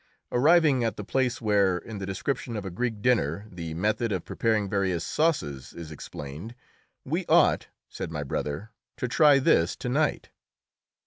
Arriving at the place where, in the description of a Greek dinner, the method of preparing various sauces is explained, "We ought," said my brother, "to try this to night."